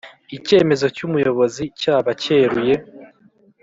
Icyemezo cy umuyobozi cyaba cyeruye